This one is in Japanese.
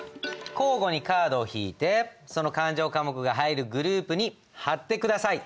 交互にカードを引いてその勘定科目が入るグループに貼って下さい。